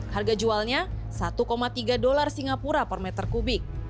harga jualnya satu tiga dolar singapura per meter kubik